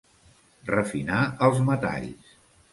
Refinar els metalls.